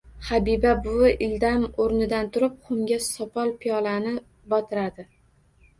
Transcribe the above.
Habiba buvi ildam o‘rnidan turib xumga sopol piyolani botiradi.